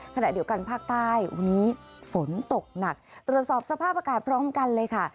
ขณะเดียวกันภาคใต้วันนี้ฝนตกหนักตรวจสอบสภาพอากาศพร้อมกันเลยค่ะ